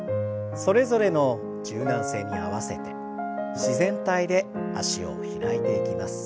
それぞれの柔軟性に合わせて自然体で脚を開いていきます。